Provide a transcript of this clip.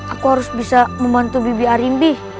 aku harus bisa membantu bibi arimbi